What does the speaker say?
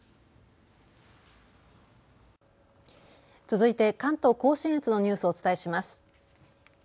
続いて関東甲信越のニュースをお伝えします。